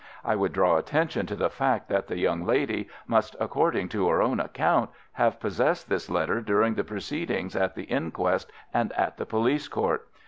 I would draw attention to the fact that the young lady must, according to her own account, have possessed this letter during the proceedings at the inquest and at the police court.